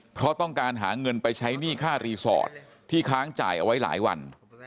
เพราะต้องการหาเงินไปใช้หนี้ค่ารีสอร์ทที่ค้างจ่ายเอาไว้หลายวัน